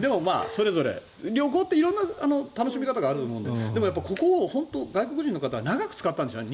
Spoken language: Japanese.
でも、それぞれ旅行って色んな楽しみ方があるのででも、ここ本当に外国人の方は長く使ったんでしょうね。